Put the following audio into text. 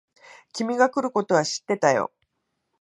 君が来ることは知ってたよ。